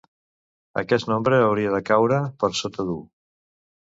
Aquest nombre hauria de caure per sota d’u.